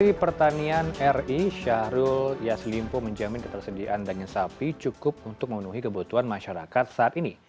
menteri pertanian ri syahrul yaslimpo menjamin ketersediaan daging sapi cukup untuk memenuhi kebutuhan masyarakat saat ini